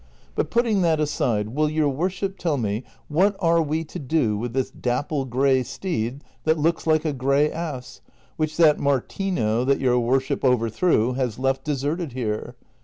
But putting that aside, will your worship tell me what are we to do with this dapjde gray steed that looks like a gray ass, Avhich that Martino ^ that your worship overthrew has left deserted here